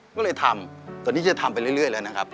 ก็เลยทำตอนนี้จะทำไปเรื่อยแล้วนะครับ